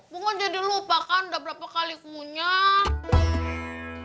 bukan jadi lupa kan udah berapa kali kunyah